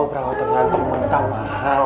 lo gak tau perawatannya kantong mata mahal